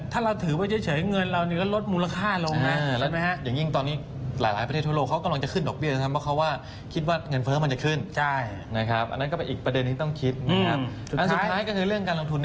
ถ้าเราถือไว้เฉยเงินเราจะลดมูลค่าลงเหมือนกัน